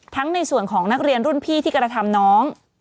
ในส่วนของนักเรียนรุ่นพี่ที่กระทำน้อง